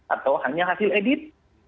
atau hanya hasil edit